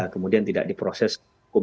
kemudian tidak diproses hukum